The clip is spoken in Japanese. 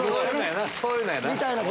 そういうのやな。